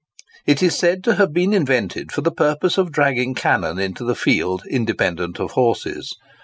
It is said to have been invented for the purpose of dragging cannon into the field independent of horses.